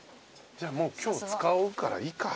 じゃあもう今日使うからいいか。